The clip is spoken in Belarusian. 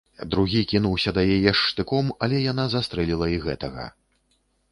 Другі кінуўся да яе з штыком, але яна застрэліла і гэтага.